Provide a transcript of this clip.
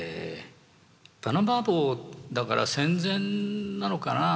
パナマ帽だから戦前なのかな？